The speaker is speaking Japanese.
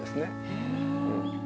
へえ。